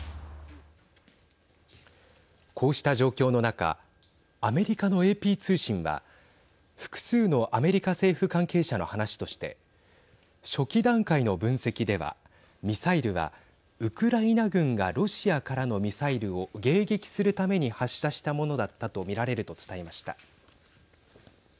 こうした状況の中アメリカのＡＰ通信は複数のアメリカ政府関係者の話として初期段階の分析ではミサイルはウクライナ軍がロシアからのミサイルを迎撃するために発射したものだったと見られると伝えました。